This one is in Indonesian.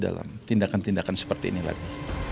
dalam tindakan tindakan seperti ini lagi